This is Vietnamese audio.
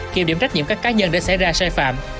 kiềm điểm trách nhiệm các cá nhân để xảy ra sai phạm